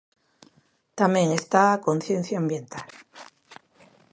Tamén está a conciencia ambiental.